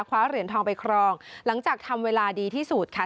คว้าเหรียญทองไปครองหลังจากทำเวลาดีที่สุดค่ะ